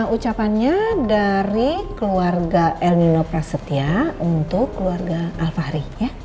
ucapannya dari keluarga el nino prasetya untuk keluarga alfahri